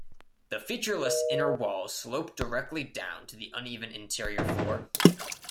The featureless inner walls slope directly down to the uneven interior floor.